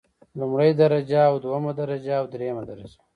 لومړۍ درجه او دوهمه درجه او دریمه درجه.